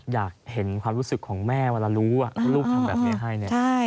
อยากเห็นความรู้สึกของแม่เวลารู้รูปทำแบบนี้ให้